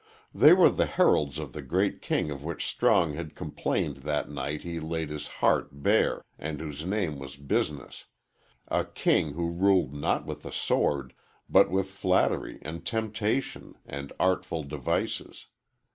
They were the heralds of the great king of which Strong had complained that night he laid his heart bare and whose name was Business a king who ruled not with the sword, but with flattery and temptation and artful devices.